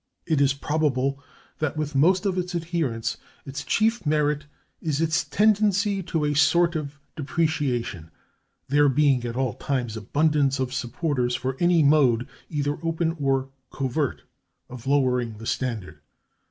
It is probable that, with most of its adherents, its chief merit is its tendency to a sort of depreciation, there being at all times abundance of supporters for any mode, either open or covert, of lowering the standard.